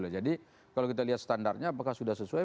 jadi kalau kita lihat standarnya apakah sudah sesuai